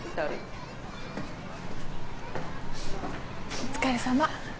お疲れさま。